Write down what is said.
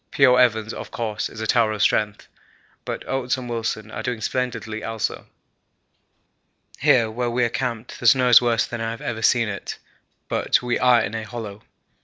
P.O. Evans, of course, is a tower of strength, but Oates and Wilson are doing splendidly also. Here where we are camped the snow is worse than I have ever seen it, but we are in a hollow.